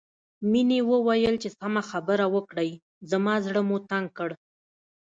مينې وويل چې سمه خبره وکړئ زما زړه مو تنګ کړ